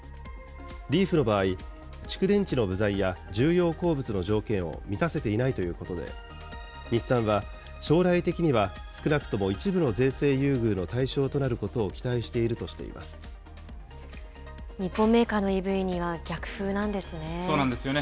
リーフの場合、蓄電池の部材や重要鉱物の条件を満たせていないということで、日産は将来的には少なくとも一部の税制優遇の対象となることを期日本メーカーのＥＶには逆風そうなんですよね。